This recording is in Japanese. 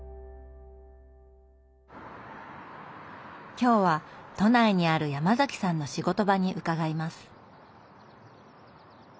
今日は都内にあるヤマザキさんの仕事場に伺います。